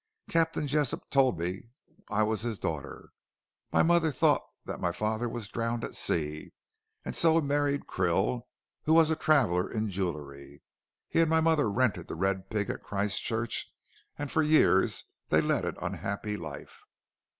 Captain Jessop told me I was his daughter. My mother thought that my father was drowned at sea, and so married Krill, who was a traveller in jewellery. He and my mother rented 'The Red Pig' at Christchurch, and for years they led an unhappy life."